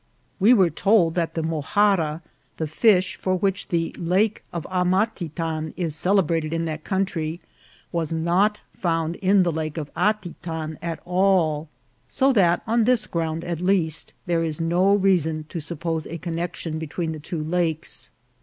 We were told that the mo hara, the fish for which the Lake of Amatitan is cele brated in that country, was not found in the Lake of Atitan at all ; so that on this ground at least there is no reason to suppose a connexion between the two lakes.